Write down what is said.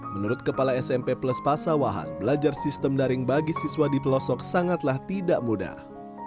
menurut kepala smp plus pasawahan belajar sistem daring bagi siswa di pelosok sangatlah tidak mudah